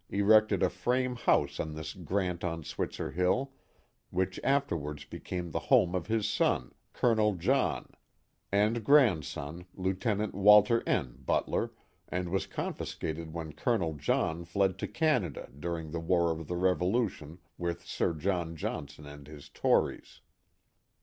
erected a frame house on his grant on Switzer Hill, which afterwards became the home of his son, Colonel John, and Accounts of the Notorious Butler Family 213 grandson, Lieut. Walter N. Butler, and was confiscated when Colonel John fled to Canada, during the war of the Revolu tion, with Sir John Johnson and his tories.